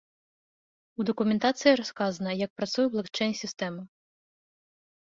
У дакументацыі расказана, як працуе блакчэйн-сістэма.